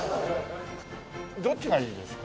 どっちがいいですか？